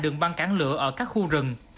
đường băng cản lửa ở các khu rừng